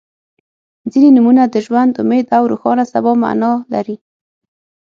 • ځینې نومونه د ژوند، امید او روښانه سبا معنا لري.